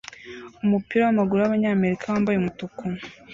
Umupira wamaguru wabanyamerika wambaye umutuku